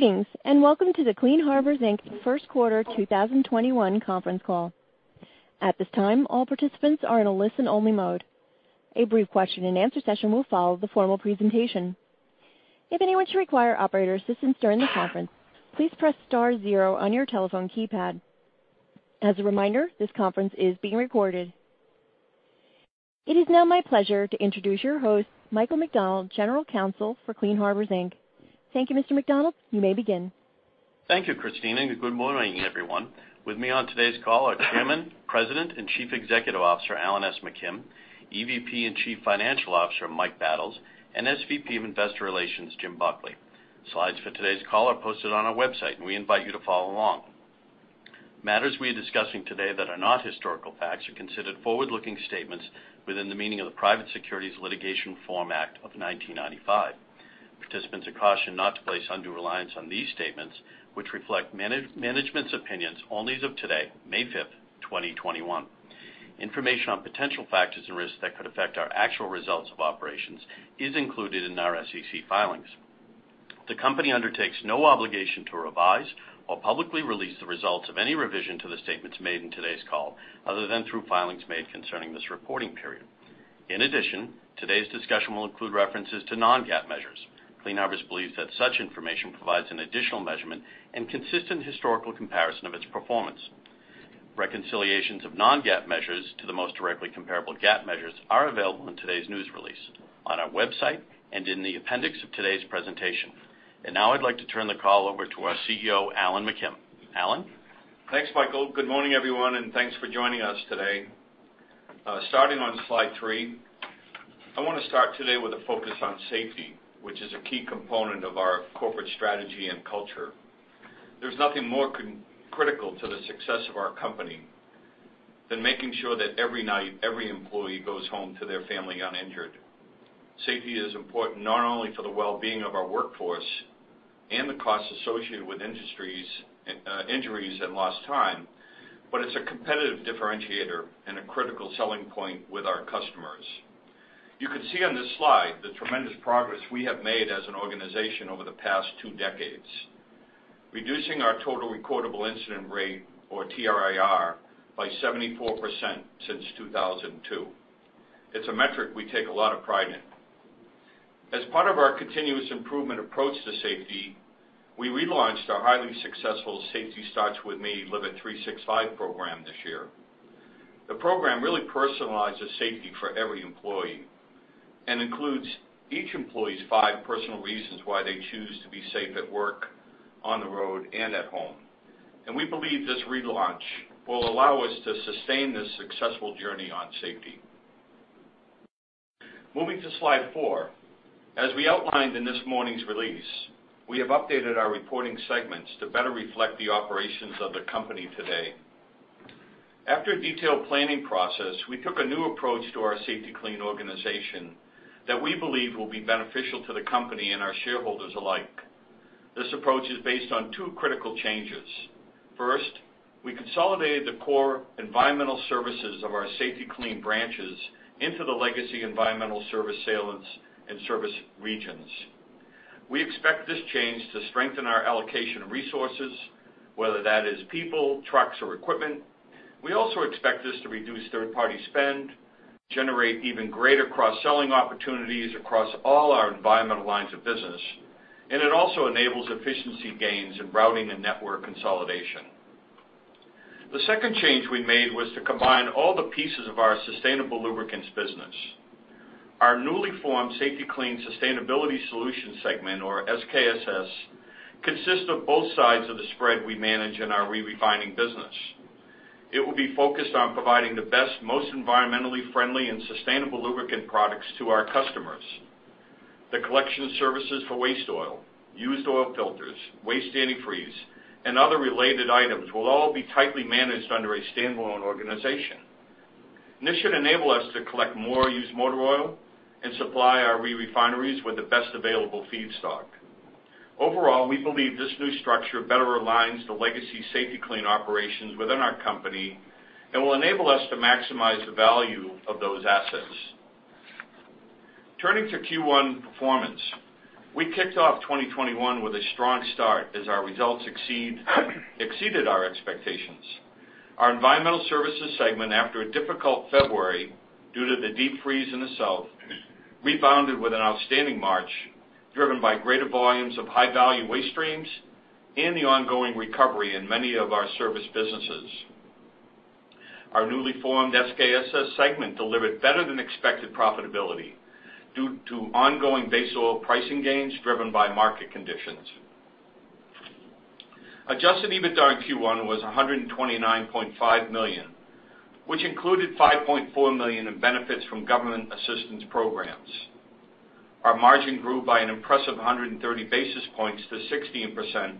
Greetings and welcome to the Clean Harbors James Buckley Q1 2021 Conference Call. At this time, all participants are in a listen-only mode. A brief question-and-answer session will follow the formal presentation. If anyone should require operator assistance during the conference, please press star zero on your telephone keypad. As a reminder, this conference is being recorded. It is now my pleasure to introduce your host, Michael McDonald, General Counsel for Clean Harbors Inc. Thank you, Mr. McDonald. You may begin. Thank you, Christina. Good morning, everyone. With me on today's call are Chairman, President, and CEO Alan S. McKim, EVP and CFO Mike Battles, and SVP of Investor Relations Jim Buckley. Slides for today's call are posted on our website, and we invite you to follow along. Matters we are discussing today that are not historical facts are considered forward-looking statements within the meaning of the Private Securities Litigation Reform Act of 1995. Participants are cautioned not to place undue reliance on these statements, which reflect management's opinions only as of today, May 5th, 2021. Information on potential factors and risks that could affect our actual results of operations is included in our SEC filings. The company undertakes no obligation to revise or publicly release the results of any revision to the statements made in today's call other than through filings made concerning this reporting period. In addition, today's discussion will include references to non-GAAP measures. Clean Harbors believes that such information provides an additional measurement and consistent historical comparison of its performance. Reconciliations of non-GAAP measures to the most directly comparable GAAP measures are available in today's news release, on our website, and in the appendix of today's presentation, and now I'd like to turn the call over to our CEO, Alan McKim. Alan? Thanks, Michael. Good morning, everyone, and thanks for joining us today. Starting on Slide three, I want to start today with a focus on safety, which is a key component of our corporate strategy and culture. There's nothing more critical to the success of our company than making sure that every night, every employee goes home to their family uninjured. Safety is important not only for the well-being of our workforce and the costs associated with injuries and lost time, but it's a competitive differentiator and a critical selling point with our customers. You can see on this slide the tremendous progress we have made as an organization over the past two decades, reducing our total recordable incident rate, or TRIR, by 74% since 2002. It's a metric we take a lot of pride in. As part of our continuous improvement approach to safety, we relaunched our highly successful Safety Starts With Me: Live It 3-6-5 program this year. The program really personalizes safety for every employee and includes each employee's five personal reasons why they choose to be safe at work, on the road, and at home, and we believe this relaunch will allow us to sustain this successful journey on safety. Moving to Slide four, as we outlined in this morning's release, we have updated our reporting segments to better reflect the operations of the company today. After a detailed planning process, we took a new approach to our Safety-Kleen organization that we believe will be beneficial to the company and our shareholders alike. This approach is based on two critical changes. First, we consolidated the core Environmental Services of our Safety-Kleen branches into the legacy environmental service sales and service regions. We expect this change to strengthen our allocation of resources, whether that is people, trucks, or equipment. We also expect this to reduce third-party spend, generate even greater cross-selling opportunities across all our environmental lines of business, and it also enables efficiency gains in routing and network consolidation. The second change we made was to combine all the pieces of our Sustainable Lubricants business. Our newly formed Safety-Kleen Sustainability Solutions segment, or SKSS, consists of both sides of the spread we manage in our Re-refining business. It will be focused on providing the best, most environmentally friendly, and sustainable lubricant products to our customers. The collection services for waste oil, used oil filters, waste antifreeze, and other related items will all be tightly managed under a standalone organization. This should enable us to collect more used motor oil and supply our re-refineries with the best available feedstock. Overall, we believe this new structure better aligns the legacy Safety-Kleen operations within our company and will enable us to maximize the value of those assets. Turning to Q1 performance, we kicked off 2021 with a strong start as our results exceeded our expectations. Our Environmental Services segment, after a difficult February due to the deep freeze in the south, rebounded with an outstanding March driven by greater volumes of high-value waste streams and the ongoing recovery in many of our Service businesses. Our newly formed SKSS segment delivered better than expected profitability due to ongoing base oil pricing gains driven by market conditions. Adjusted EBITDA in Q1 was $129.5 million, which included $5.4 million in benefits from government assistance programs. Our margin grew by an impressive 130 basis points to 16%,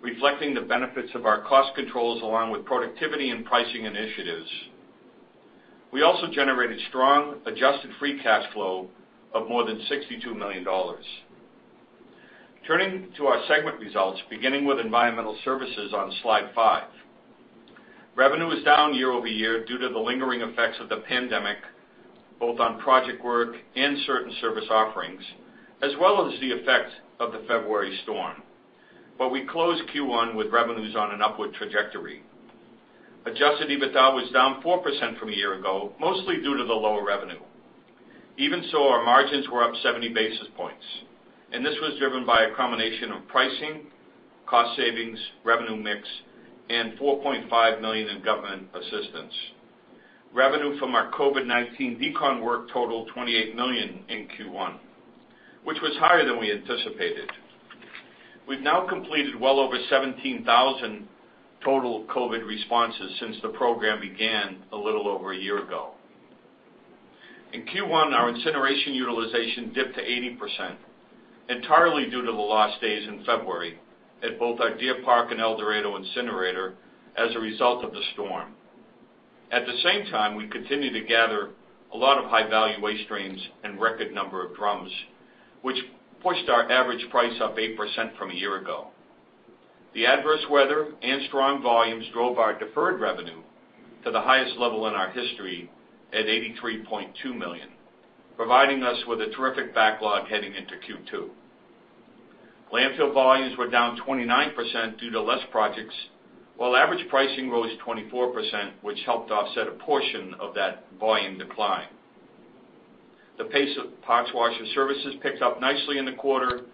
reflecting the benefits of our cost controls along with productivity and pricing initiatives. We also generated strong adjusted free cash flow of more than $62 million. Turning to our segment results, beginning with Environmental Services on Slide five. Revenue is down year-over-year due to the lingering effects of the pandemic, both on project work and certain service offerings, as well as the effect of the February storm. But we closed Q1 with revenues on an upward trajectory. Adjusted EBITDA was down 4% from a year ago, mostly due to the lower revenue. Even so, our margins were up 70 basis points, and this was driven by a combination of pricing, cost savings, revenue mix, and $4.5 million in government assistance. Revenue from our COVID-19 decon work totaled $28 million in Q1, which was higher than we anticipated. We've now completed well over 17,000 total COVID responses since the program began a little over a year ago. In Q1, our incineration utilization dipped to 80%, entirely due to the lost days in February at both our Deer Park and El Dorado incinerator as a result of the storm. At the same time, we continue to gather a lot of high-value waste streams and a record number of drums, which pushed our average price up 8% from a year ago. The adverse weather and strong volumes drove our deferred revenue to the highest level in our history at $83.2 million, providing us with a terrific backlog heading into Q2. Landfill volumes were down 29% due to less projects, while average pricing rose 24%, which helped offset a portion of that volume decline. The pace of parts washer services picked up nicely in the quarter,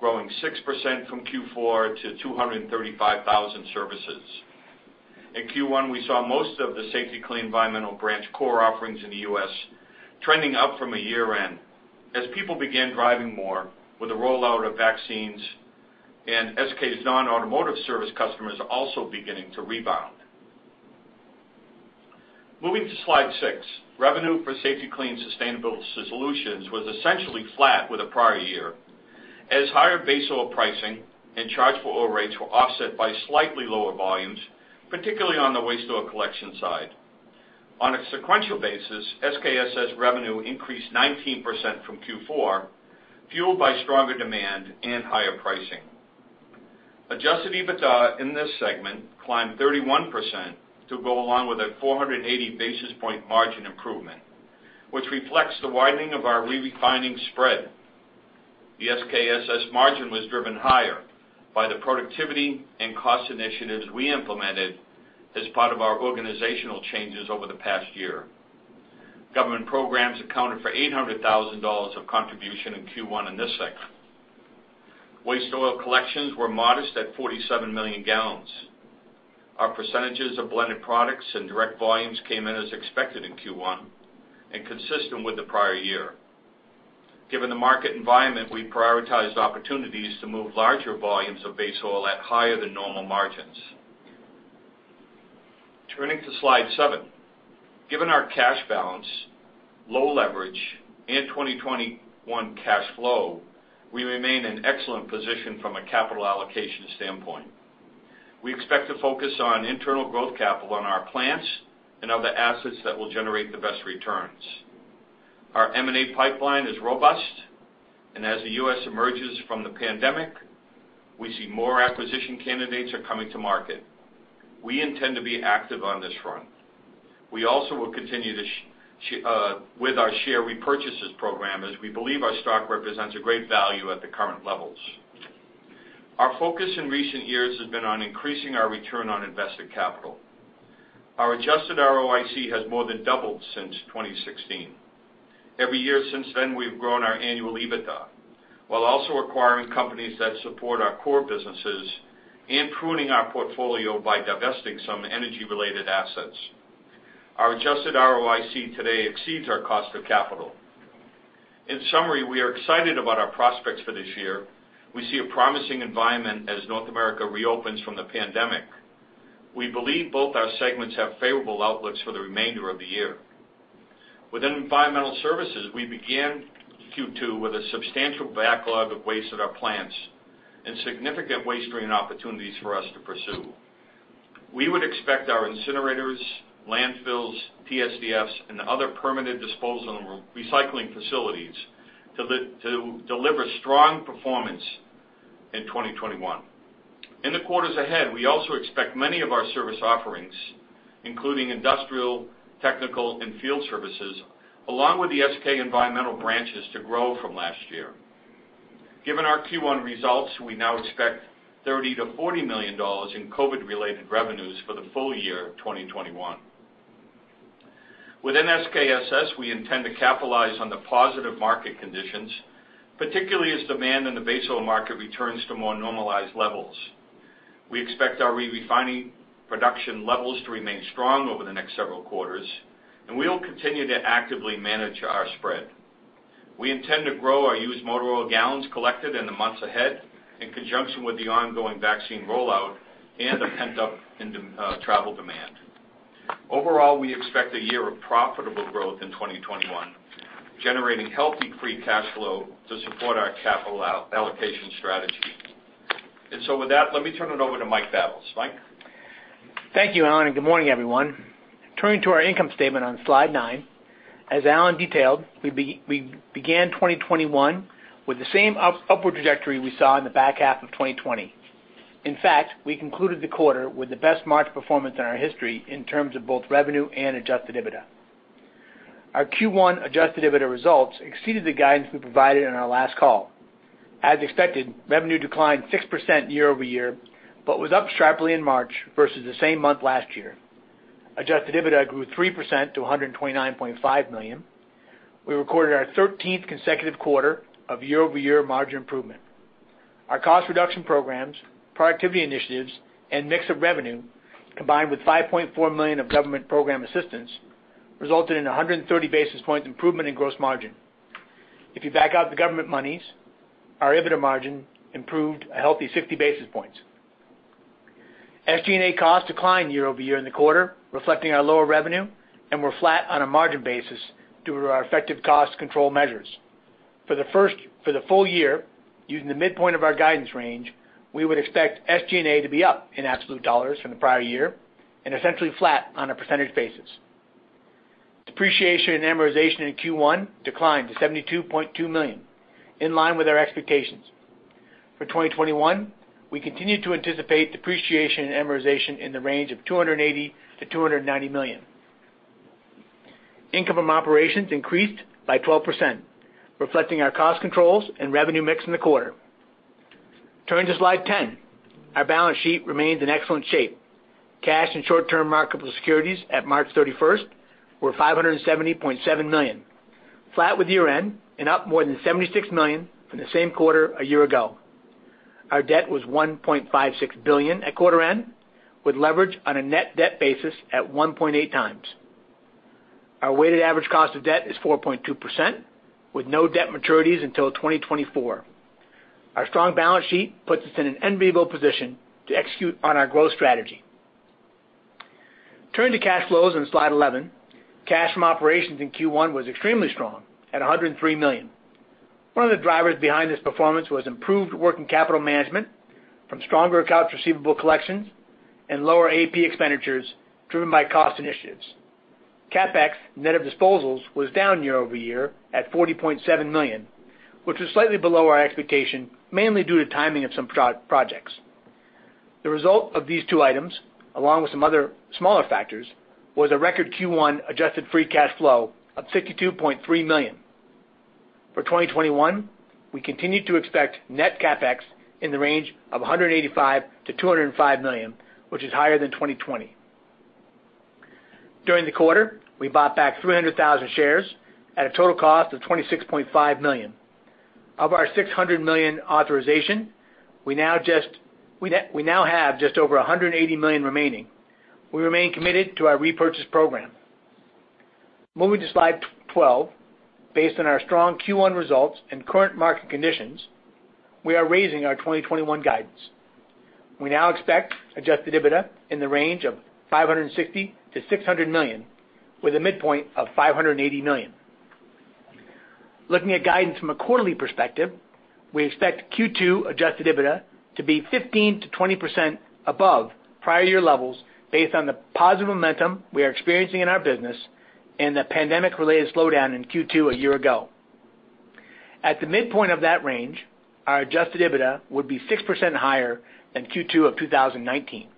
growing 6% from Q4 to 235,000 services. In Q1, we saw most of the Safety-Kleen Environmental branch core offerings in the U.S. trending up from a year ago as people began driving more with the rollout of vaccines and SK's non-automotive service customers also beginning to rebound. Moving to Slide six, revenue for Safety-Kleen Sustainability Solutions was essentially flat with a prior year as higher base oil pricing and charge for oil rates were offset by slightly lower volumes, particularly on the waste oil collection side. On a sequential basis, SKSS revenue increased 19% from Q4, fueled by stronger demand and higher pricing. Adjusted EBITDA in this segment climbed 31% to go along with a 480 basis point margin improvement, which reflects the widening of our re-refining spread. The SKSS margin was driven higher by the productivity and cost initiatives we implemented as part of our organizational changes over the past year. Government programs accounted for $800,000 of contribution in Q1 in this segment. Waste oil collections were modest at 47 million gallons. Our percentages of blended products and direct volumes came in as expected in Q1 and consistent with the prior year. Given the market environment, we prioritized opportunities to move larger volumes of base oil at higher than normal margins. Turning to slide seven, given our cash balance, low leverage, and 2021 cash flow, we remain in excellent position from a capital allocation standpoint. We expect to focus on internal growth capital on our plants and other assets that will generate the best returns. Our M&A pipeline is robust, and as the U.S. emerges from the pandemic, we see more acquisition candidates coming to market. We intend to be active on this front. We also will continue with our share repurchases program as we believe our stock represents a great value at the current levels. Our focus in recent years has been on increasing our return on invested capital. Our adjusted ROIC has more than doubled since 2016. Every year since then, we've grown our annual EBITDA while also acquiring companies that support our core businesses and pruning our portfolio by divesting some energy-related assets. Our adjusted ROIC today exceeds our cost of capital. In summary, we are excited about our prospects for this year. We see a promising environment as North America reopens from the pandemic. We believe both our segments have favorable outlooks for the remainder of the year. Within Environmental Services, we began Q2 with a substantial backlog of waste at our plants and significant waste stream opportunities for us to pursue. We would expect our incinerators, landfills, TSDFs, and other permanent disposal and recycling facilities to deliver strong performance in 2021. In the quarters ahead, we also expect many of our service offerings, including Industrial, Technical, and Field services, along with the SK Environmental branches, to grow from last year. Given our Q1 results, we now expect $30 million-$40 million in COVID-related revenues for the full year 2021. Within SKSS, we intend to capitalize on the positive market conditions, particularly as demand in the base oil market returns to more normalized levels. We expect our re-refining production levels to remain strong over the next several quarters, and we'll continue to actively manage our spread. We intend to grow our used motor oil gallons collected in the months ahead in conjunction with the ongoing vaccine rollout and the pent-up travel demand. Overall, we expect a year of profitable growth in 2021, generating healthy free cash flow to support our capital allocation strategy. And so with that, let me turn it over to Mike Battles. Mike. Thank you, Alan, and good morning, everyone. Turning to our income statement on Slide nine, as Alan detailed, we began 2021 with the same upward trajectory we saw in the back half of 2020. In fact, we concluded the quarter with the best March performance in our history in terms of both revenue and adjusted EBITDA. Our Q1 adjusted EBITDA results exceeded the guidance we provided in our last call. As expected, revenue declined 6% year-over-year, but was up sharply in March versus the same month last year. Adjusted EBITDA grew 3% to $129.5 million. We recorded our 13th consecutive quarter of year-over-year margin improvement. Our cost reduction programs, productivity initiatives, and mix of revenue, combined with $5.4 million of government program assistance, resulted in 130 basis points improvement in gross margin. If you back out the government monies, our EBITDA margin improved a healthy 60 basis points. SG&A costs declined year-over-year in the quarter, reflecting our lower revenue, and we're flat on a margin basis due to our effective cost control measures. For the full year, using the midpoint of our guidance range, we would expect SG&A to be up in absolute dollars from the prior year and essentially flat on a percentage basis. Depreciation and amortization in Q1 declined to $72.2 million, in line with our expectations. For 2021, we continue to anticipate depreciation and amortization in the range of $280 million-$290 million. Income from operations increased by 12%, reflecting our cost controls and revenue mix in the quarter. Turning to Slide 10, our balance sheet remains in excellent shape. Cash and short-term marketable securities at March 31st were $570.7 million, flat with year-end and up more than $76 million from the same quarter a year ago. Our debt was $1.56 billion at quarter-end, with leverage on a net debt basis at 1.8 times. Our weighted average cost of debt is 4.2%, with no debt maturities until 2024. Our strong balance sheet puts us in an enviable position to execute on our growth strategy. Turning to cash flows on Slide 11, cash from operations in Q1 was extremely strong at $103 million. One of the drivers behind this performance was improved working capital management from stronger accounts receivable collections and lower AP expenditures driven by cost initiatives. CapEx, net of disposals, was down year-over-year at $40.7 million, which was slightly below our expectation, mainly due to timing of some projects. The result of these two items, along with some other smaller factors, was a record Q1 adjusted free cash flow of $62.3 million. For 2021, we continue to expect net CapEx in the range of $185 million-$205 million, which is higher than 2020. During the quarter, we bought back 300,000 shares at a total cost of $26.5 million. Of our $600 million authorization, we now have just over $180 million remaining. We remain committed to our repurchase program. Moving to Slide 12, based on our strong Q1 results and current market conditions, we are raising our 2021 guidance. We now expect adjusted EBITDA in the range of $560 million-$600 million, with a midpoint of $580 million. Looking at guidance from a quarterly perspective, we expect Q2 adjusted EBITDA to be 15%-20% above prior year levels based on the positive momentum we are experiencing in our business and the pandemic-related slowdown in Q2 a year ago. At the midpoint of that range, our adjusted EBITDA would be 6% higher than Q2 of 2019.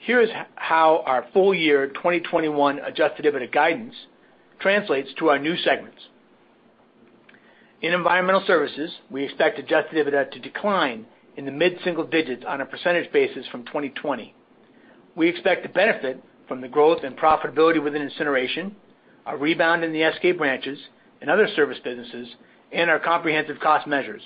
Here is how our full year 2021 adjusted EBITDA guidance translates to our new segments. In Environmental Services, we expect adjusted EBITDA to decline in the mid-single-digits on a percentage basis from 2020. We expect to benefit from the growth and profitability within incineration, our rebound in the SK branches and Other Service businesses, and our comprehensive cost measures.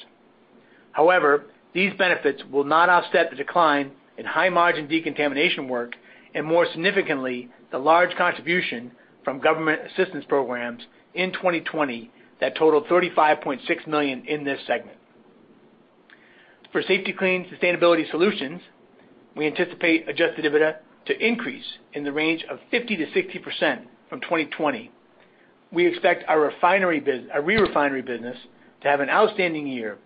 However, these benefits will not offset the decline in high-margin decontamination work and, more significantly, the large contribution from government assistance programs in 2020 that totaled $35.6 million in this segment. For Safety-Kleen Sustainability Solutions, we anticipate adjusted EBITDA to increase in the range of 50%-60% from 2020. We expect our Re-refinery business to have an outstanding year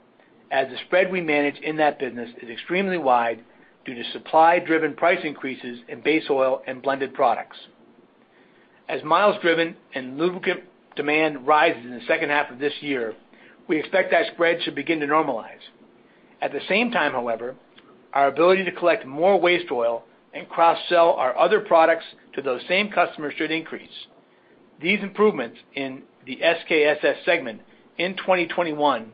as the spread we manage in that business is extremely wide due to supply-driven price increases in base oil and blended products. As miles-driven and lubricant demand rises in the second half of this year, we expect that spread should begin to normalize. At the same time, however, our ability to collect more waste oil and cross-sell our other products to those same customers should increase. These improvements in the SKSS segment in 2021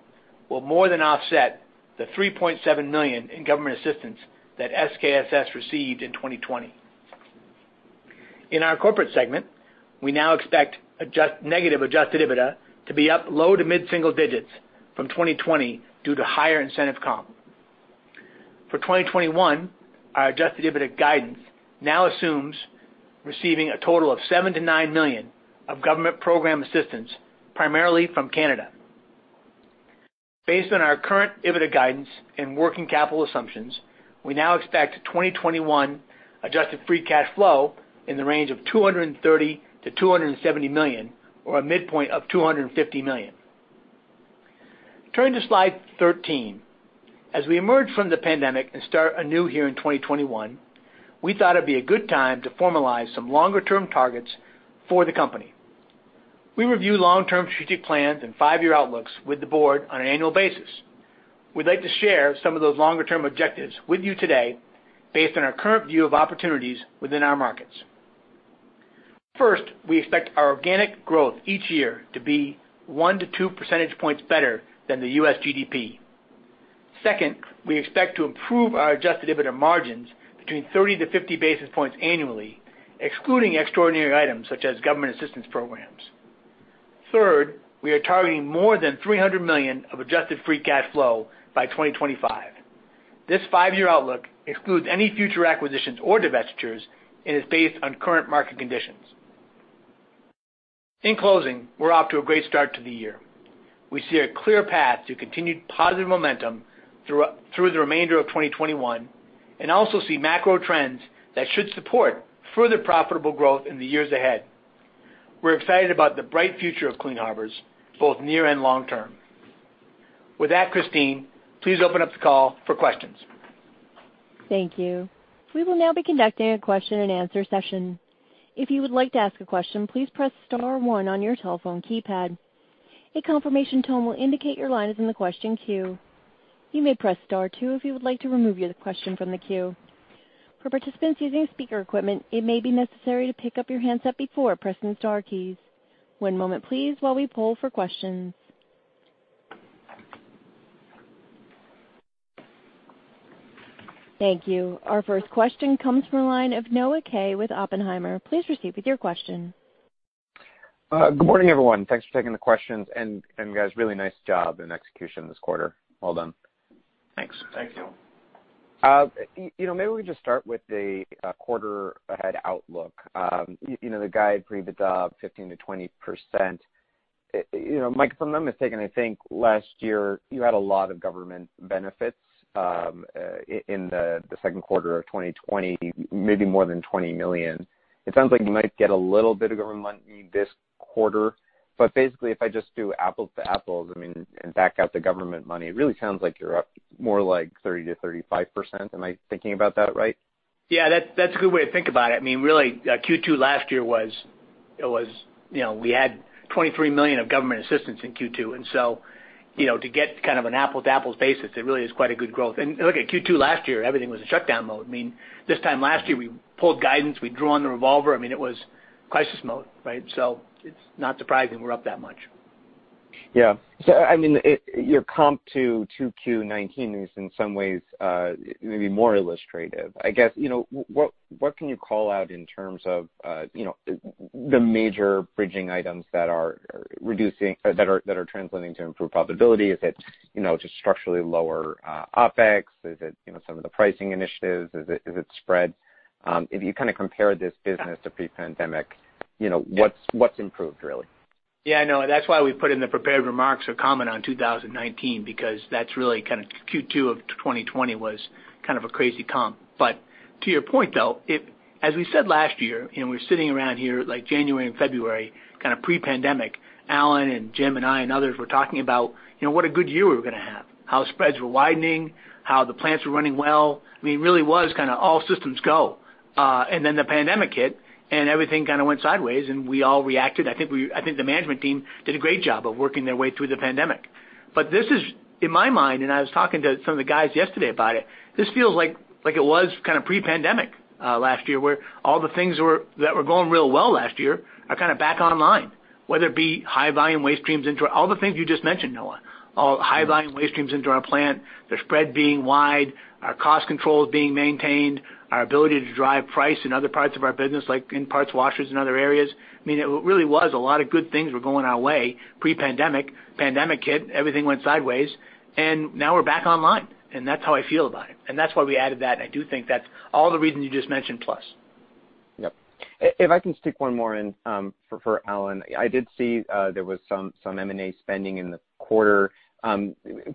will more than offset the $3.7 million in government assistance that SKSS received in 2020. In our corporate segment, we now expect negative adjusted EBITDA to be up low to mid-single-digits from 2020 due to higher incentive comp. For 2021, our adjusted EBITDA guidance now assumes receiving a total of $7 million-$9 million of government program assistance, primarily from Canada. Based on our current EBITDA guidance and working capital assumptions, we now expect 2021 adjusted free cash flow in the range of $230 million-$270 million, or a midpoint of $250 million. Turning to Slide 13, as we emerge from the pandemic and start anew here in 2021, we thought it would be a good time to formalize some longer-term targets for the company. We review long-term strategic plans and five-year outlooks with the board on an annual basis. We'd like to share some of those longer-term objectives with you today based on our current view of opportunities within our markets. First, we expect our organic growth each year to be 1-2 percentage points better than the U.S. GDP. Second, we expect to improve our adjusted EBITDA margins between 30-50 basis points annually, excluding extraordinary items such as government assistance programs. Third, we are targeting more than $300 million of adjusted free cash flow by 2025. This five-year outlook excludes any future acquisitions or divestitures and is based on current market conditions. In closing, we're off to a great start to the year. We see a clear path to continued positive momentum through the remainder of 2021 and also see macro trends that should support further profitable growth in the years ahead. We're excited about the bright future of Clean Harbors, both near and long term. With that, Christine, please open up the call for questions. Thank you. We will now be conducting a question-and-answer session. If you would like to ask a question, please press star one on your telephone keypad. A confirmation tone will indicate your line is in the question queue. You may press star two if you would like to remove your question from the queue. For participants using speaker equipment, it may be necessary to pick up your handset before pressing star keys. One moment, please, while we poll for questions. Thank you. Our first question comes from a line of Noah Kaye with Oppenheimer. Please proceed with your question. Good morning, everyone. Thanks for taking the questions and you guys really nice job and execution this quarter. Well done. Thanks. Thank you. Maybe we can just start with the quarter-end outlook. The guide for EBITDA, 15%-20%. Mike, if I'm not mistaken, I think last year you had a lot of government benefits in the Q2 of 2020, maybe more than $20 million. It sounds like you might get a little bit of government money this quarter. But basically, if I just do apples to apples, I mean, and back out the government money, it really sounds like you're up more like 30%-35%. Am I thinking about that right? Yeah, that's a good way to think about it. I mean, really, Q2 last year was we had $23 million of government assistance in Q2. And so to get kind of an apples-to-apples basis, it really is quite a good growth. And look at Q2 last year, everything was in shutdown mode. I mean, this time last year, we pulled guidance, we drew on the revolver. I mean, it was crisis mode, right? So it's not surprising we're up that much. Yeah. So I mean, your comp to Q2 2019 is in some ways maybe more illustrative. I guess, what can you call out in terms of the major bridging items that are translating to improve profitability? Is it just structurally lower OpEx? Is it some of the pricing initiatives? Is it spread? If you kind of compare this business to pre-pandemic, what's improved, really? Yeah, I know. That's why we put in the prepared remarks or comment on 2019, because that's really kind of Q2 of 2020 was kind of a crazy comp. But to your point, though, as we said last year, we were sitting around here like January and February, kind of pre-pandemic, Alan and Jim and I and others were talking about what a good year we were going to have, how spreads were widening, how the plants were running well. I mean, really was kind of all systems go and then the pandemic hit and everything kind of went sideways, and we all reacted. I think the management team did a great job of working their way through the pandemic. But this is, in my mind, and I was talking to some of the guys yesterday about it. This feels like it was kind of pre-pandemic last year, where all the things that were going real well last year are kind of back online, whether it be high-volume waste streams into our—all the things you just mentioned, Noah. High-volume waste streams into our plant, their spread being wide, our cost controls being maintained, our ability to drive price in other parts of our business, like in parts washers, and other areas. I mean, it really was a lot of good things were going our way. Pre-pandemic, pandemic hit, everything went sideways, and now we're back online. That's how I feel about it. That's why we added that. I do think that's all the reasons you just mentioned plus. Yep. If I can stick one more in for Alan. I did see there was some M&A spending in the quarter.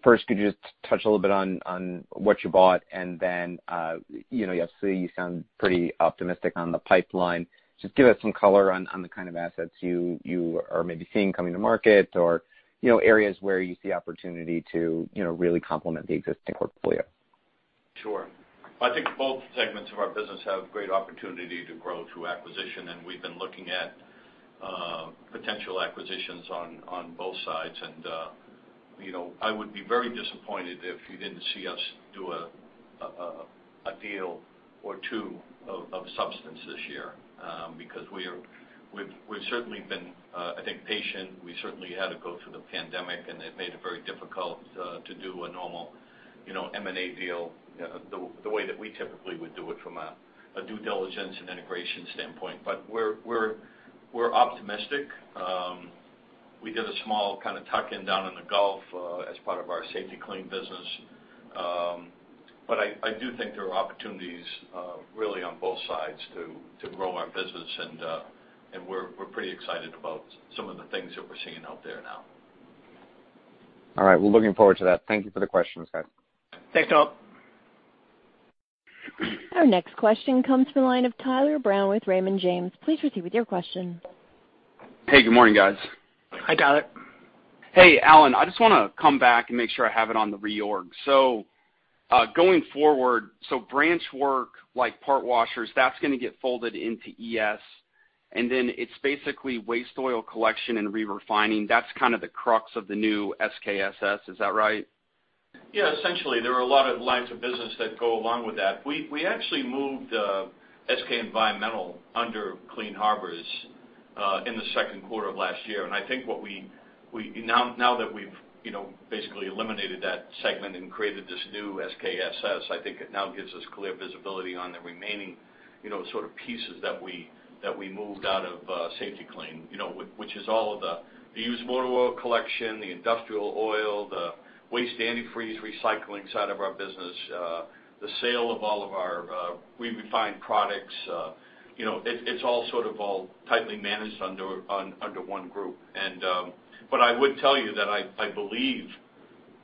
First, could you just touch a little bit on what you bought? And then, you see, you sound pretty optimistic on the pipeline. Just give us some color on the kind of assets you are maybe seeing coming to market or areas where you see opportunity to really complement the existing portfolio? Sure. I think both segments of our business have great opportunity to grow through acquisition, and we've been looking at potential acquisitions on both sides and I would be very disappointed if you didn't see us do a deal or two of substance this year, because we've certainly been, I think, patient. We certainly had to go through the pandemic, and it made it very difficult to do a normal M&A deal the way that we typically would do it from a due diligence and integration standpoint. But we're optimistic. We did a small kind of tuck-in down in the Gulf as part of our Safety-Kleen business. But I do think there are opportunities really on both sides to grow our business, and we're pretty excited about some of the things that we're seeing out there now. All right. Well, looking forward to that. Thank you for the questions, guys. Thanks, Noah. Our next question comes from the line of Tyler Brown with Raymond James. Please proceed with your question. Hey, good morning, guys. Hi, Tyler. Hey, Alan. I just want to come back and make sure I have it on the reorg. So going forward, so branch work like part washers, that's going to get folded into ES and then it's basically waste oil collection and re-refining. That's kind of the crux of the new SKSS. Is that right? Yeah, essentially. There are a lot of lines of business that go along with that. We actually moved SK Environmental under Clean Harbors in the Q2 of last year. And I think now that we've basically eliminated that segment and created this new SKSS, I think it now gives us clear visibility on the remaining sort of pieces that we moved out of Safety-Kleen, which is all of the used motor oil collection, the industrial oil, the waste antifreeze recycling side of our business, the sale of all of our re-refined products. It's all sort of tightly managed under one group. But I would tell you that I believe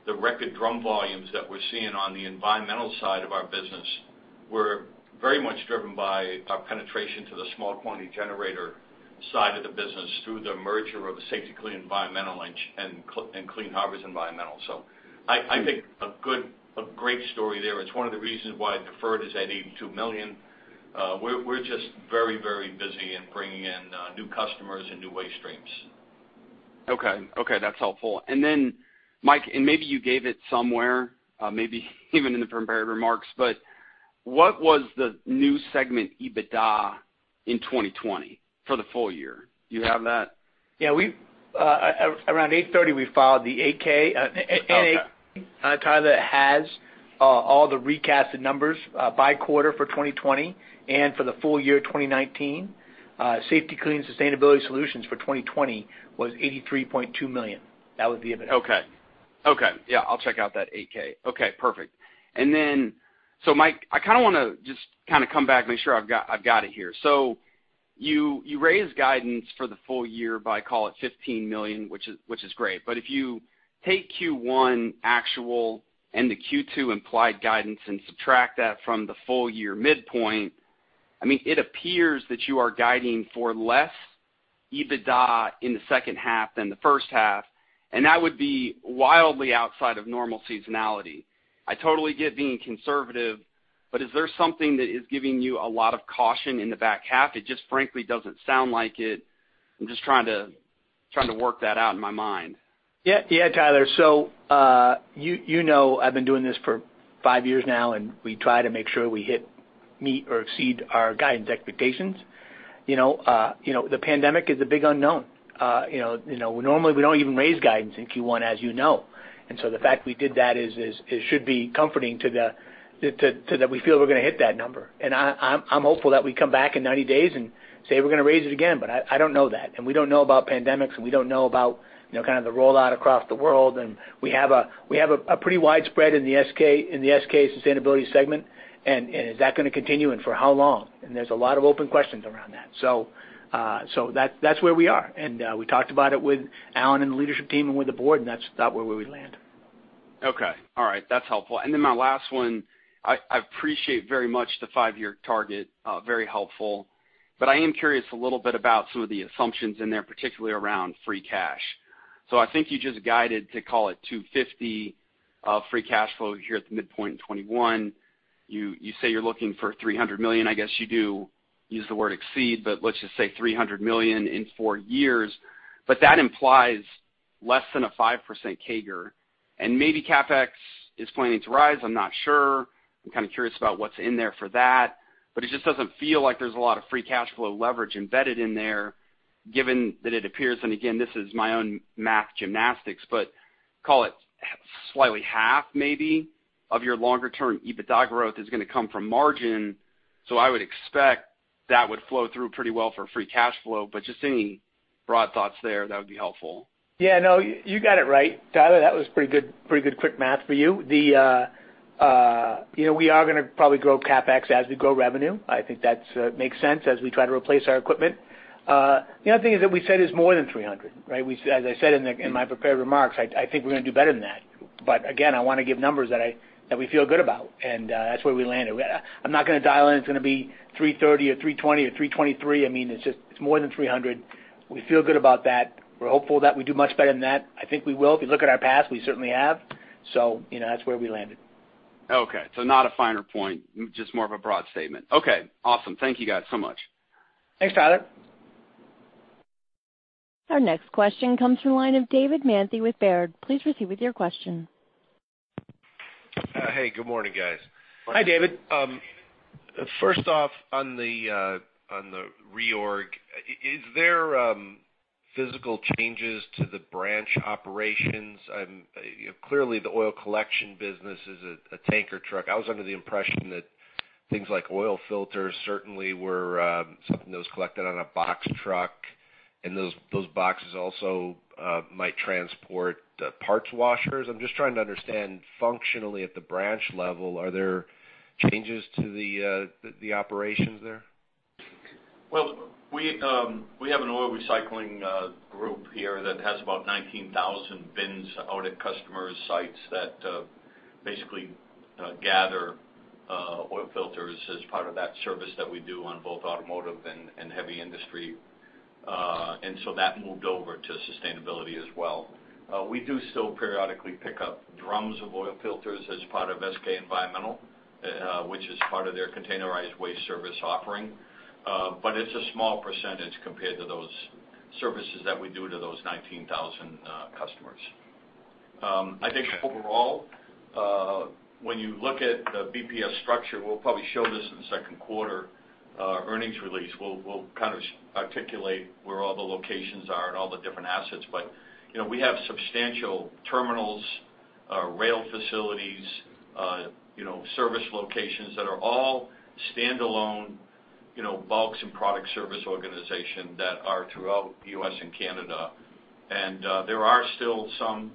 the record drum volumes that we're seeing on the Environmental side of our business were very much driven by our penetration to the small-quantity generator side of the business through the merger of Safety-Kleen Environmental and Clean Harbors Environmental. So I think a great story there. It's one of the reasons why deferred revenue is at $82 million. We're just very, very busy in bringing in new customers and new waste streams. Okay. Okay. That's helpful. And then, Mike, and maybe you gave it somewhere, maybe even in the prepared remarks, but what was the new segment EBITDA in 2020 for the full year? Do you have that? Yeah. Around 8:30 A.M., we filed the 8-K and. Tyler? Tyler has all the recast numbers by quarter for 2020 and for the full year 2019. Safety-Kleen Sustainability Solutions for 2020 was $83.2 million. That was the EBITDA. Okay. Okay. Yeah. I'll check out that 8-K. Okay. Perfect, and then so Mike, I kind of want to just kind of come back, make sure I've got it here. So you raised guidance for the full year by, call it, $15 million, which is great. But if you take Q1 actual and the Q2 implied guidance and subtract that from the full year midpoint, I mean, it appears that you are guiding for less EBITDA in the second half than the first half. And that would be wildly outside of normal seasonality. I totally get being conservative, but is there something that is giving you a lot of caution in the back half? It just frankly doesn't sound like it. I'm just trying to work that out in my mind. Yeah. Yeah, Tyler. So you know I've been doing this for five years now, and we try to make sure we hit meet or exceed our guidance expectations. The pandemic is a big unknown. Normally, we don't even raise guidance in Q1, as you know. And so the fact we did that should be comforting to that we feel we're going to hit that number. And I'm hopeful that we come back in 90 days and say we're going to raise it again. But I don't know that. And we don't know about pandemics, and we don't know about kind of the rollout across the world. And we have a pretty widespread in the SKSS sustainability segment. And is that going to continue and for how long? And there's a lot of open questions around that. So that's where we are. We talked about it with Alan and the leadership team and with the board, and that's where we land. Okay. All right. That's helpful. And then my last one, I appreciate very much the five-year target. Very helpful. But I am curious a little bit about some of the assumptions in there, particularly around free cash. So I think you just guided to call it $250 free cash flow here at the midpoint in 2021. You say you're looking for $300 million. I guess you do use the word exceed, but let's just say $300 million in four years. But that implies less than a 5% CAGR and maybe CapEx is planning to rise. I'm not sure. I'm kind of curious about what's in there for that. But it just doesn't feel like there's a lot of free cash flow leverage embedded in there, given that it appears, and again, this is my own math gymnastics, but call it slightly half, maybe, of your longer-term EBITDA growth is going to come from margin. So I would expect that would flow through pretty well for free cash flow. But just any broad thoughts there, that would be helpful. Yeah. No, you got it right. Tyler, that was pretty good quick math for you. We are going to probably grow CapEx as we grow revenue. I think that makes sense as we try to replace our equipment. The other thing is that we said it's more than 300, right? As I said in my prepared remarks, I think we're going to do better than that. But again, I want to give numbers that we feel good about. And that's where we landed. I'm not going to dial in. It's going to be 330 or 320 or 323. I mean, it's more than 300. We feel good about that. We're hopeful that we do much better than that. I think we will. If you look at our past, we certainly have. So that's where we landed. Okay. So not a fine point, just more of a broad statement. Okay. Awesome. Thank you guys so much. Thanks, Tyler. Our next question comes from the line of David Manthey with Baird. Please proceed with your question. Hey, good morning, guys. Hi, David. First off, on the reorg, is there physical changes to the branch operations? Clearly, the oil collection business is a tanker truck. I was under the impression that things like oil filters certainly were something that was collected on a box truck, and those boxes also might transport parts washers. I'm just trying to understand functionally at the branch level, are there changes to the operations there? We have an oil recycling group here that has about 19,000 bins out at customers' sites that basically gather oil filters as part of that service that we do on both automotive and heavy industry. So that moved over to sustainability as well. We do still periodically pick up drums of oil filters as part of SK Environmental, which is part of their containerized waste service offering. But it's a small percentage compared to those services that we do to those 19,000 customers. I think overall, when you look at the BPS structure, we'll probably show this in the Q2 earnings release. We'll kind of articulate where all the locations are and all the different assets. But we have substantial terminals, rail facilities, service locations that are all standalone bulks and product service organizations that are throughout the U.S. and Canada. And there are still some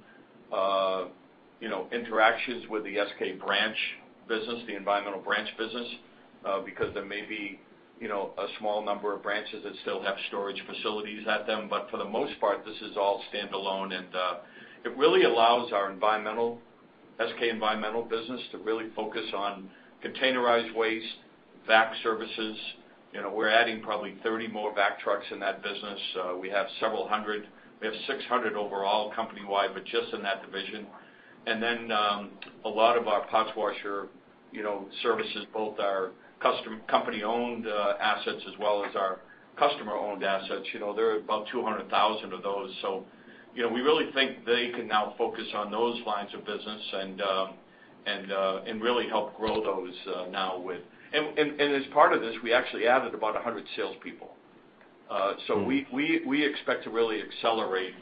interactions with the Safety-Kleen branch business, the environmental branch business, because there may be a small number of branches that still have storage facilities at them. But for the most part, this is all standalone and it really allows our Environmental, Safety-Kleen Environmental business to really focus on containerized waste, vac services. We're adding probably 30 more vac trucks in that business. We have several hundred. We have 600 overall company-wide, but just in that division. And then a lot of our parts washer services, both our company-owned assets as well as our customer-owned assets, there are about 200,000 of those. So we really think they can now focus on those lines of business and really help grow those now with. And as part of this, we actually added about 100 salespeople. So we expect to really accelerate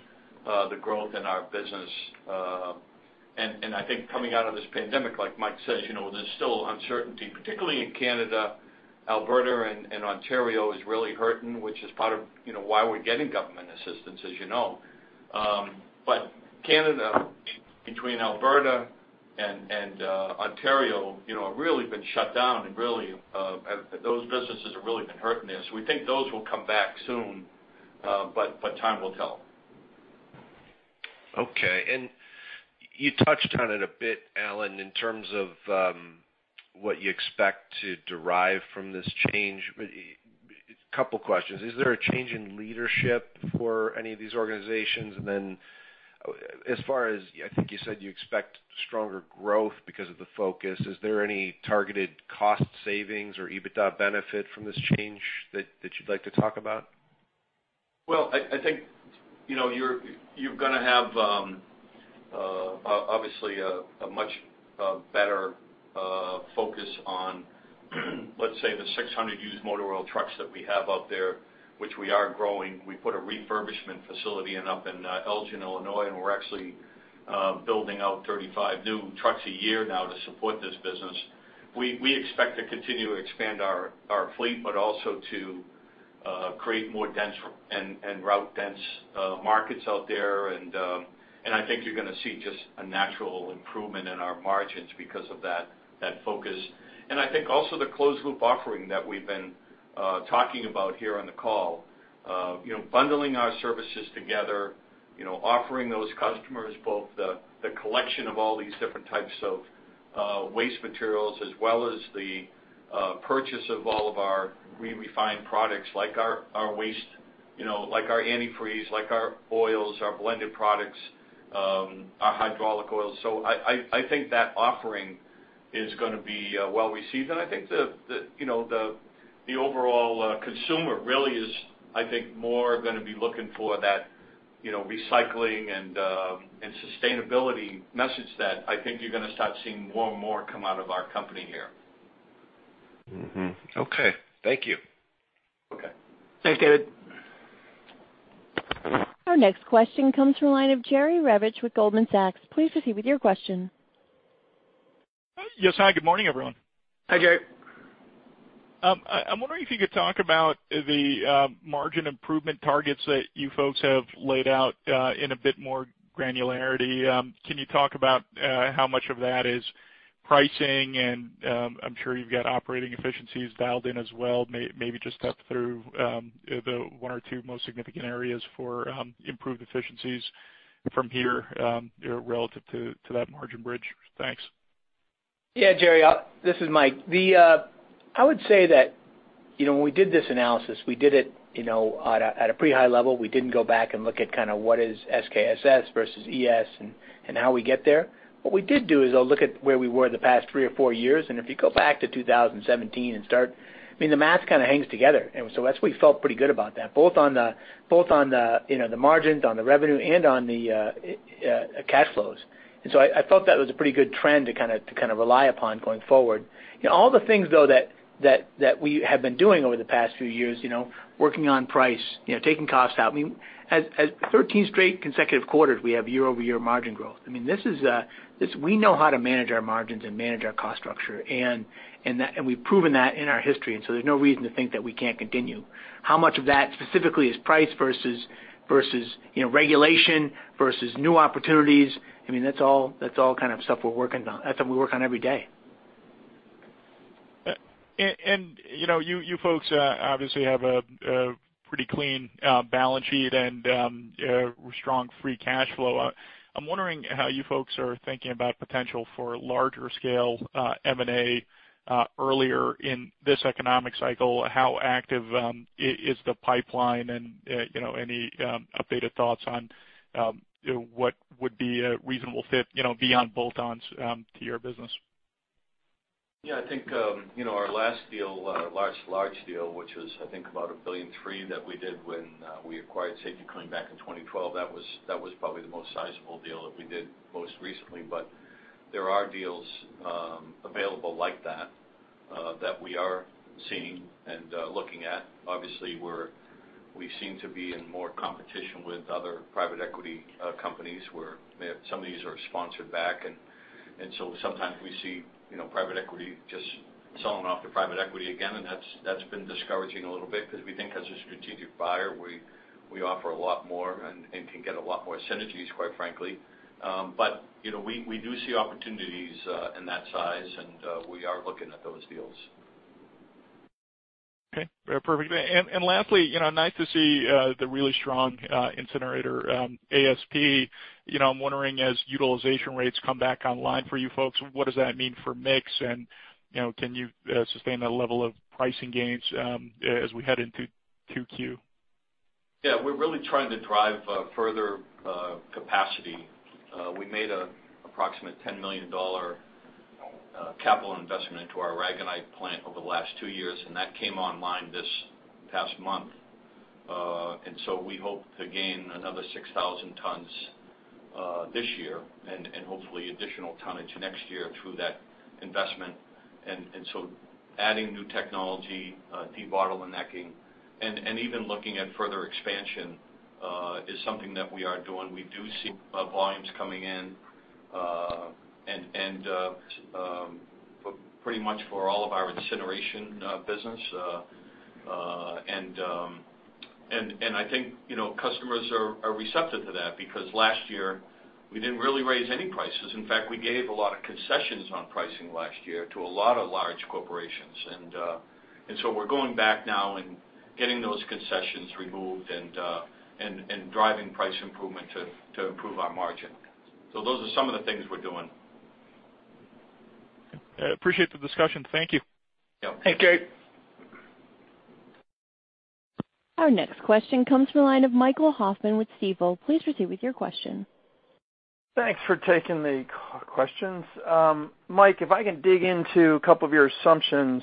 the growth in our business. I think coming out of this pandemic, like Mike says, there's still uncertainty, particularly in Canada. Alberta and Ontario is really hurting, which is part of why we're getting government assistance, as you know. Canada, between Alberta and Ontario, have really been shut down. Really, those businesses have really been hurting there. We think those will come back soon, but time will tell. Okay. And you touched on it a bit, Alan, in terms of what you expect to derive from this change. A couple of questions. Is there a change in leadership for any of these organizations? And then as far as I think you said you expect stronger growth because of the focus. Is there any targeted cost savings or EBITDA benefit from this change that you'd like to talk about? I think you're going to have, obviously, a much better focus on, let's say, the 600 used motor oil trucks that we have out there, which we are growing. We put a refurbishment facility up in Elgin, Illinois, and we're actually building out 35 new trucks a year now to support this business. We expect to continue to expand our fleet, but also to create more dense and route dense markets out there and I think you're going to see just a natural improvement in our margins because of that focus. I think also the closed-loop offering that we've been talking about here on the call, bundling our services together, offering those customers both the collection of all these different types of waste materials as well as the purchase of all of our re-refined products like our waste, like our antifreeze, like our oils, our blended products, our hydraulic oils. I think that offering is going to be well received. I think the overall consumer really is, I think, more going to be looking for that recycling and sustainability message that I think you're going to start seeing more and more come out of our company here. Okay. Thank you. Okay. Thanks, David. Our next question comes from the line of Jerry Revich with Goldman Sachs. Please proceed with your question. Yes. Hi, good morning, everyone. Hi, Jerry. I'm wondering if you could talk about the margin improvement targets that you folks have laid out in a bit more granularity. Can you talk about how much of that is pricing? And I'm sure you've got operating efficiencies dialed in as well, maybe just up through the one or two most significant areas for improved efficiencies from here relative to that margin bridge. Thanks. Yeah, Jerry, this is Mike. I would say that when we did this analysis, we did it at a pretty high level. We didn't go back and look at kind of what is SKSS versus ES and how we get there. What we did do is look at where we were the past three or four years and if you go back to 2017 and start, I mean, the math kind of hangs together. So that's why we felt pretty good about that, both on the margins, on the revenue, and on the cash flows. And so I felt that was a pretty good trend to kind of rely upon going forward. All the things, though, that we have been doing over the past few years, working on price, taking costs out, I mean, 13 straight consecutive quarters, we have year-over-year margin growth. I mean, we know how to manage our margins and manage our cost structure. And we've proven that in our history. And so there's no reason to think that we can't continue. How much of that specifically is price versus regulation versus new opportunities? I mean, that's all kind of stuff we're working on. That's what we work on every day. You folks obviously have a pretty clean balance sheet and strong free cash flow. I'm wondering how you folks are thinking about potential for larger-scale M&A earlier in this economic cycle. How active is the pipeline and any updated thoughts on what would be a reasonable fit beyond bolt-ons to your business? Yeah. I think our last deal, large deal, which was, I think, about $1.3 billion that we did when we acquired Safety-Kleen back in 2012, that was probably the most sizable deal that we did most recently. But there are deals available like that that we are seeing and looking at. Obviously, we seem to be in more competition with other private equity companies where some of these are sponsored back and so sometimes we see private equity just selling off to private equity again. That's been discouraging a little bit because we think as a strategic buyer, we offer a lot more and can get a lot more synergies, quite frankly. But we do see opportunities in that size, and we are looking at those deals. Okay. Perfect. Lastly, nice to see the really strong incinerator ASP. I'm wondering, as utilization rates come back online for you folks, what does that mean for mix? And can you sustain that level of pricing gains as we head into Q2? Yeah. We're really trying to drive further capacity. We made an approximate $10 million capital investment into our Aragonite plant over the last two years, and that came online this past month. So we hope to gain another 6,000 tons this year and hopefully an additional ton next year through that investment and so adding new technology, debottlenecking, and even looking at further expansion is something that we are doing. We do see volumes coming in and pretty much for all of our Incineration business and I think customers are receptive to that because last year, we didn't really raise any prices. In fact, we gave a lot of concessions on pricing last year to a lot of large corporations and so we're going back now and getting those concessions removed and driving price improvement to improve our margin. So those are some of the things we're doing. Appreciate the discussion. Thank you. Yeah. Thanks, Jerry. Our next question comes from the line of Michael Hoffman with Stifel. Please proceed with your question. Thanks for taking the questions. Mike, if I can dig into a couple of your assumptions,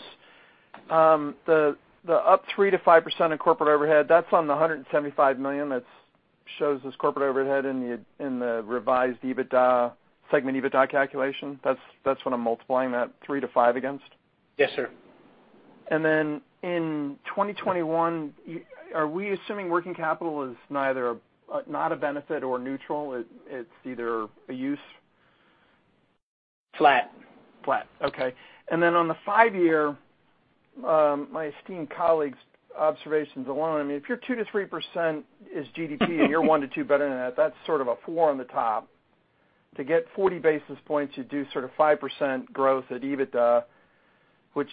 the up 3%-5% in corporate overhead, that's on the $175 million. That shows us corporate overhead in the revised segment EBITDA calculation. That's what I'm multiplying that 3%-5% against. Yes, sir. And then in 2021, are we assuming working capital is not a benefit or neutral? It's either a use? Flat. Flat. Okay and then on the five-year, my esteemed colleague's observations alone, I mean, if you're 2%-3% is GDP and you're 1%-2% better than that, that's sort of a 4% on the top. To get 40 basis points, you do sort of 5% growth at EBITDA, which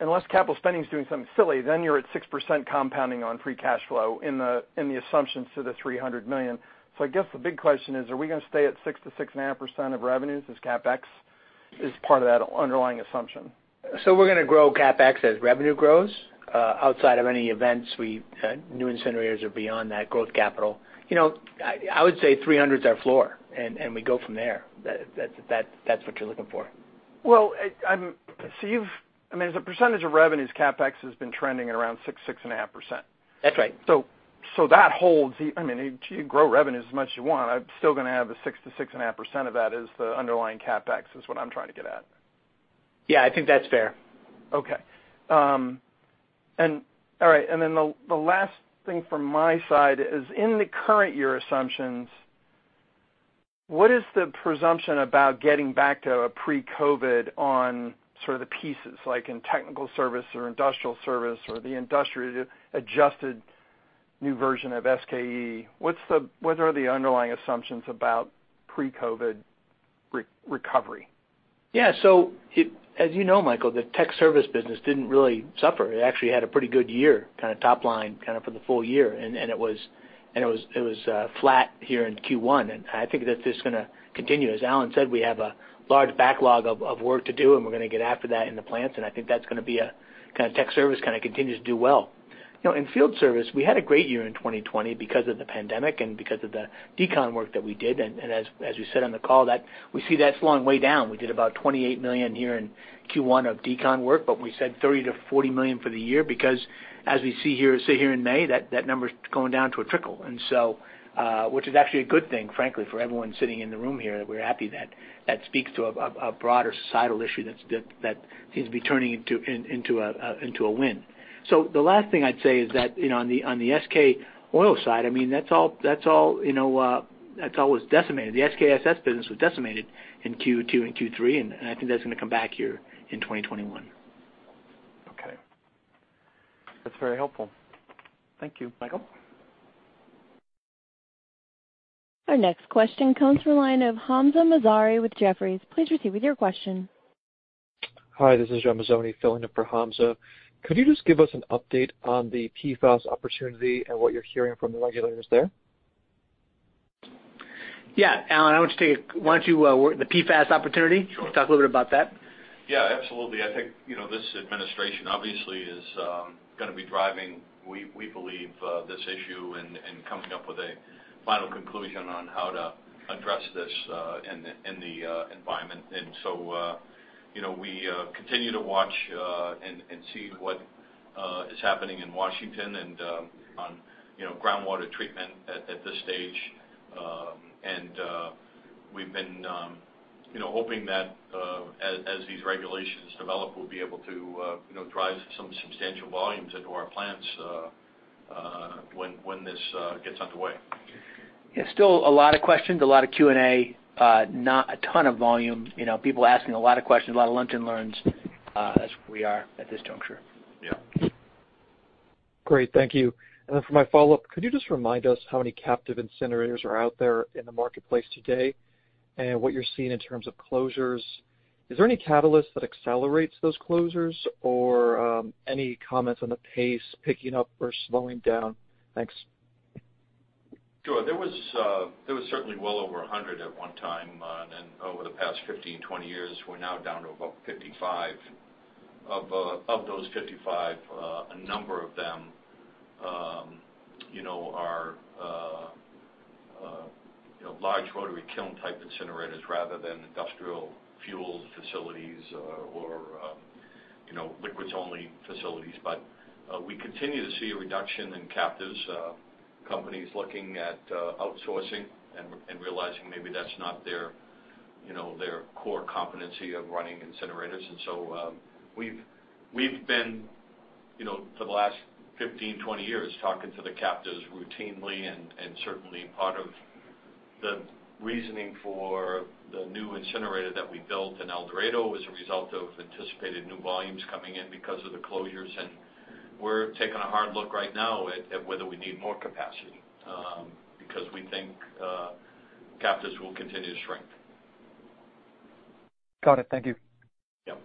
unless capital spending is doing something silly, then you're at 6% compounding on free cash flow in the assumptions to the $300 million. So I guess the big question is, are we going to stay at 6%-6.5% of revenues as CapEx is part of that underlying assumption? So we're going to grow CapEx as revenue grows outside of any events, new incinerators or beyond that growth capital. I would say $300 million is our floor, and we go from there. That's what you're looking for. I mean, as a percentage of revenues, CapEx has been trending at around 6%-6.5%. That's right. I mean, you grow revenues as much as you want. I'm still going to have a 6%-6.5% of that as the underlying CapEx is what I'm trying to get at. Yeah. I think that's fair. Okay. And all right. And then the last thing from my side is, in the current year assumptions, what is the presumption about getting back to a pre-COVID on sort of the pieces like in technical service or industrial service or the industrially adjusted new version of SKE? What are the underlying assumptions about pre-COVID recovery? Yeah. So as you know, Michael, the Tech Service business didn't really suffer. It actually had a pretty good year kind of top line kind of for the full year and it was flat here in Q1. And I think that this is going to continue. As Alan said, we have a large backlog of work to do, and we're going to get after that in the plants and I think that's going to be a kind of tech service kind of continue to do well. In Field service, we had a great year in 2020 because of the pandemic and because of the decon work that we did. And as we said on the call, we see that's long way down. We did about $28 million here in Q1 of DECON work, but we said $30 million-$40 million for the year because, as we see here in May, that number's going down to a trickle, which is actually a good thing, frankly, for everyone sitting in the room here. We're happy that speaks to a broader societal issue that seems to be turning into a win. So the last thing I'd say is that on the SK Oil side, I mean, that's all that's always decimated. The SKSS business was decimated in Q2 and Q3, and I think that's going to come back here in 2021. Okay. That's very helpful. Thank you, Michael. Our next question comes from the line of Hamzah Mazari with Jefferies. Please proceed with your question. Hi, this is John Mazzoni, filling in for Hamzah. Could you just give us an update on the PFAS opportunity and what you're hearing from the regulators there? Yeah. Alan, I want you to take. Why don't you work on the PFAS opportunity? Talk a little bit about that. Yeah. Absolutely. I think this administration obviously is going to be driving, we believe, this issue and coming up with a final conclusion on how to address this in the environment, and so we continue to watch and see what is happening in Washington and on groundwater treatment at this stage, and we've been hoping that as these regulations develop, we'll be able to drive some substantial volumes into our plants when this gets underway. Yeah. Still a lot of questions, a lot of Q&A, not a ton of volume. People asking a lot of questions, a lot of lunch and learns as we are at this juncture. Yeah. Great. Thank you. Then for my follow-up, could you just remind us how many captive incinerators are out there in the marketplace today and what you're seeing in terms of closures? Is there any catalyst that accelerates those closures or any comments on the pace picking up or slowing down? Thanks. Sure. There was certainly well over 100 at one time. And over the past 15-20 years, we're now down to about 55. Of those 55, a number of them are large rotary kiln type incinerators rather than industrial fuel facilities or liquids-only facilities. But we continue to see a reduction in captives. Companies looking at outsourcing and realizing maybe that's not their core competency of running incinerators. So we've been, for the last 15-20 years, talking to the captives routinely and certainly, part of the reasoning for the new incinerator that we built in El Dorado was a result of anticipated new volumes coming in because of the closures. We're taking a hard look right now at whether we need more capacity because we think captives will continue to shrink. Got it. Thank you. Yep.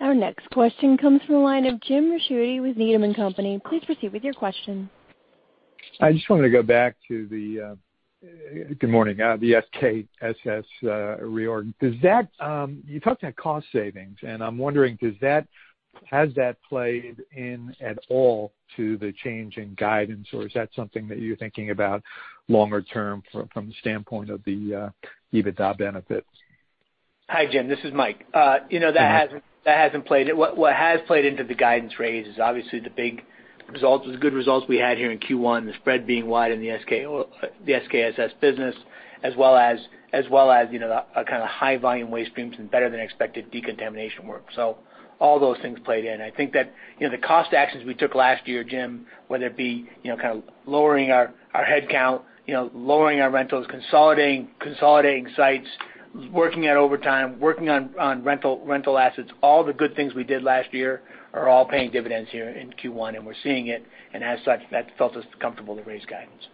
Our next question comes from the line of James Ricchiuti with Needham & Company. Please proceed with your question. I just wanted to go back to the good morning the SKSS reorg. You talked about cost savings. And I'm wondering, has that played in at all to the change in guidance, or is that something that you're thinking about longer term from the standpoint of the EBITDA benefit? Hi, Jim. This is Mike. That hasn't played in. What has played into the guidance raise is obviously the big results, the good results we had here in Q1, the spread being wide in the SKSS business, as well as kind of high-volume waste streams and better-than-expected decontamination work. So all those things played in. I think that the cost actions we took last year, Jim, whether it be kind of lowering our head count, lowering our rentals, consolidating sites, working at overtime, working on rental assets, all the good things we did last year are all paying dividends here in Q1. We're seeing it. As such, that felt just comfortable to raise guidance.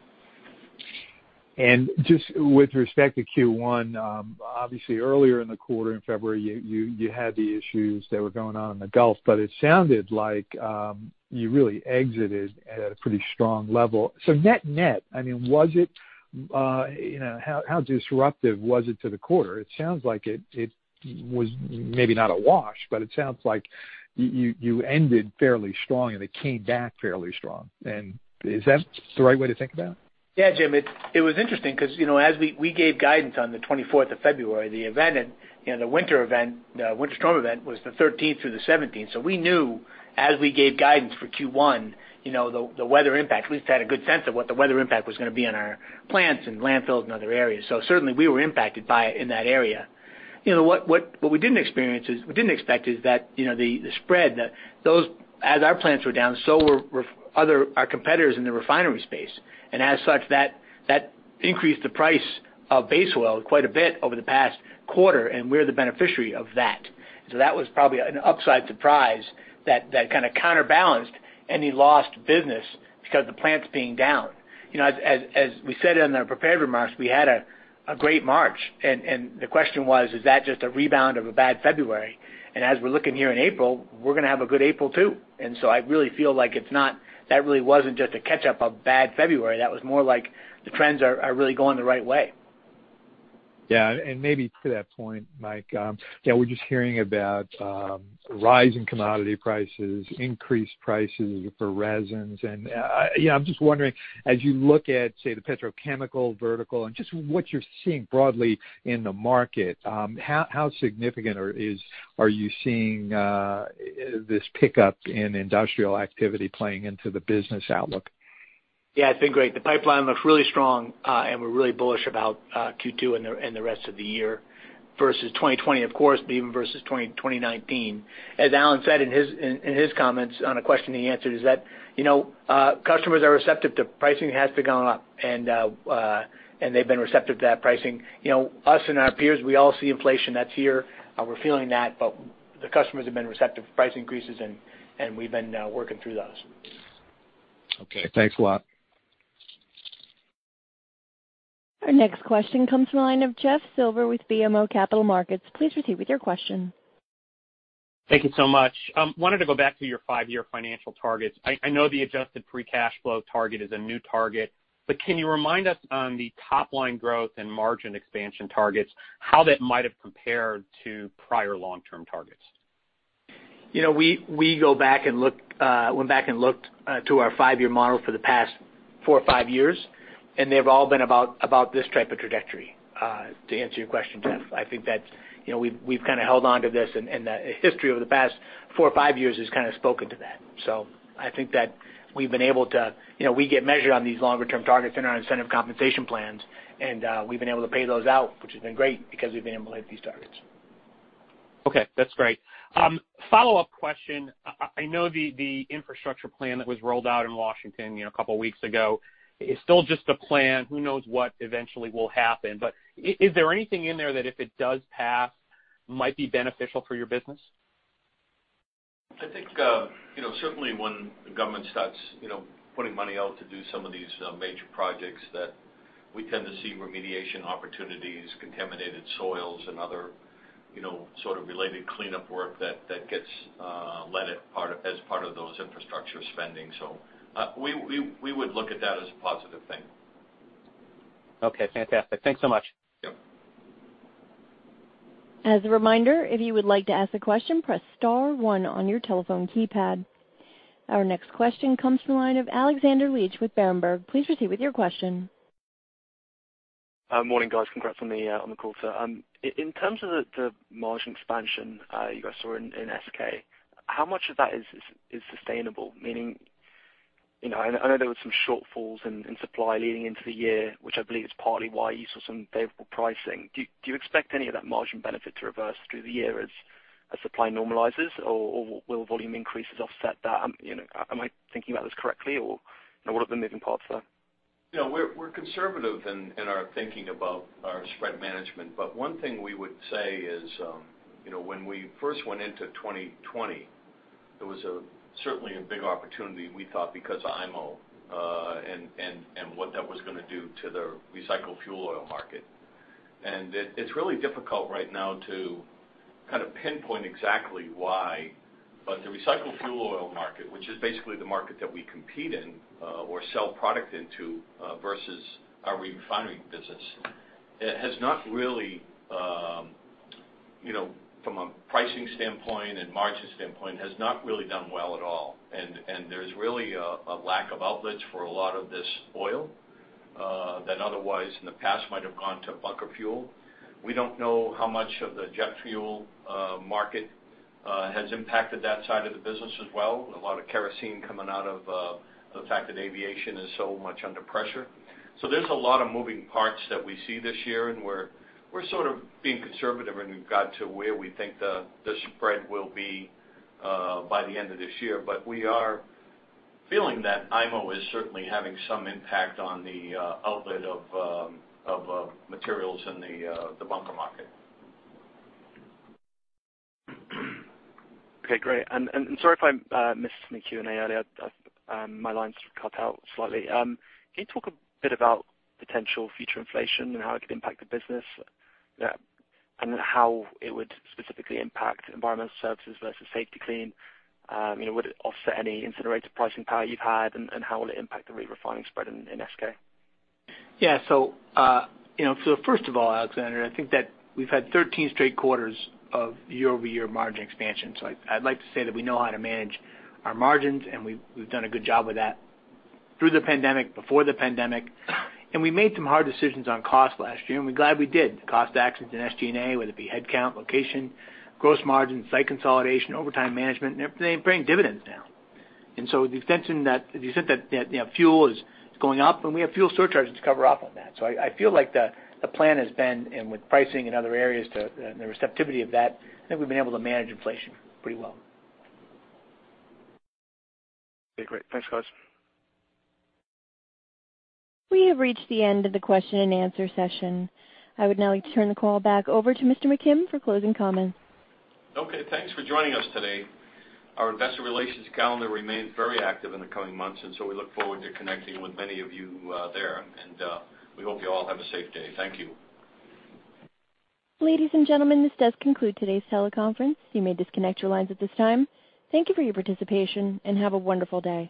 Just with respect to Q1, obviously, earlier in the quarter in February, you had the issues that were going on in the Gulf. It sounded like you really exited at a pretty strong level. Net net, I mean, was it, how disruptive was it to the quarter? It sounds like it was maybe not a wash, but it sounds like you ended fairly strong and it came back fairly strong. Is that the right way to think about it? Yeah, Jim. It was interesting because as we gave guidance on the 24th of February, the winter storm event was the 13th through the 17th. So we knew as we gave guidance for Q1, the weather impact. We had a good sense of what the weather impact was going to be on our plants and landfills and other areas. So certainly, we were impacted by it in that area. What we didn't expect is that the spread, as our plants were down, so were our competitors in the refinery space and as such, that increased the price of base oil quite a bit over the past quarter and we're the beneficiary of that. So that was probably an upside surprise that kind of counterbalanced any lost business because the plants being down. As we said in our prepared remarks, we had a great March and the question was, is that just a rebound of a bad February? and as we're looking here in April, we're going to have a good April too. So I really feel like it's not, that really wasn't just a catch-up of bad February. That was more like the trends are really going the right way. Yeah, and maybe to that point, Mike, yeah, we're just hearing about rising commodity prices, increased prices for resins and I'm just wondering, as you look at, say, the petrochemical vertical and just what you're seeing broadly in the market, how significant are you seeing this pickup in industrial activity playing into the business outlook? Yeah. It's been great. The pipeline looks really strong, and we're really bullish about Q2 and the rest of the year versus 2020, of course, but even versus 2019. As Alan said in his comments on a question he answered, is that customers are receptive to pricing has to go up, and they've been receptive to that pricing. Us and our peers, we all see inflation that's here. We're feeling that, but the customers have been receptive to price increases, and we've been working through those. Okay. Thanks a lot. Our next question comes from the line of Jeff Silber with BMO Capital Markets. Please proceed with your question. Thank you so much. I wanted to go back to your five-year financial targets. I know the adjusted free cash flow target is a new target, but can you remind us on the top line growth and margin expansion targets, how that might have compared to prior long-term targets? We went back and looked to our five-year model for the past four or five years, and they've all been about this type of trajectory. To answer your question, Jeff, I think that we've kind of held on to this, and the history over the past four or five years has kind of spoken to that. So I think that we've been able to, we get measured on these longer-term targets in our incentive compensation plans, and we've been able to pay those out, which has been great because we've been able to hit these targets. Okay. That's great. Follow-up question. I know the infrastructure plan that was rolled out in Washington a couple of weeks ago is still just a plan. Who knows what eventually will happen? But is there anything in there that if it does pass, might be beneficial for your business? I think certainly when the government starts putting money out to do some of these major projects, that we tend to see remediation opportunities, contaminated soils, and other sort of related cleanup work that gets let as part of those infrastructure spending, so we would look at that as a positive thing. Okay. Fantastic. Thanks so much. Yep. As a reminder, if you would like to ask a question, press star one on your telephone keypad. Our next question comes from the line of Alexander Leach with Berenberg. Please proceed with your question. Morning, guys. Congrats on the call, sir. In terms of the margin expansion you guys saw in SK, how much of that is sustainable? Meaning, I know there were some shortfalls in supply leading into the year, which I believe is partly why you saw some favorable pricing. Do you expect any of that margin benefit to reverse through the year as supply normalizes, or will volume increases offset that? Am I thinking about this correctly, or what are the moving parts there? Yeah. We're conservative in our thinking about our spread management. But one thing we would say is when we first went into 2020, there was certainly a big opportunity we thought because of IMO and what that was going to do to the recycled fuel oil market. It's really difficult right now to kind of pinpoint exactly why? But the recycled fuel oil market, which is basically the market that we compete in or sell product into versus our refinery business, has not really, from a pricing standpoint and margin standpoint, has not really done well at all. There's really a lack of outlets for a lot of this oil that otherwise in the past might have gone to bunker fuel. We don't know how much of the jet fuel market has impacted that side of the business as well. A lot of kerosene coming out of the fact that aviation is so much under pressure. So there's a lot of moving parts that we see this year. And we're sort of being conservative and got to where we think the spread will be by the end of this year. But we are feeling that IMO is certainly having some impact on the outlet of materials in the bunker market. Okay. Great. And sorry if I missed any Q&A earlier. My lines cut out slightly. Can you talk a bit about potential future inflation and how it could impact the business and how it would specifically impact Environmental Services versus Safety-Kleen? Would it offset any incinerator pricing power you've had, and how will it impact the refining spread in SK? Yeah, so first of all, Alexander, I think that we've had 13 straight quarters of year-over-year margin expansion. So I'd like to say that we know how to manage our margins, and we've done a good job with that through the pandemic and before the pandemic, and we made some hard decisions on cost last year, and we're glad we did. The cost actions in SG&A, whether it be head count, location, gross margins, site consolidation, overtime management, and everything bringing dividends now, and so the extent that fuel is going up, and we have fuel surcharges to cover off on that, so I feel like the plan has been, and with pricing and other areas and the receptivity of that, I think we've been able to manage inflation pretty well. Okay. Great. Thanks, guys. We have reached the end of the question-and-answer session. I would now like to turn the call back over to Mr. McKim for closing comments. Okay. Thanks for joining us today. Our Investor Relations calendar remains very active in the coming months, and so we look forward to connecting with many of you there, and we hope you all have a safe day. Thank you. Ladies and gentlemen, this does conclude today's teleconference. You may disconnect your lines at this time. Thank you for your participation, and have a wonderful day.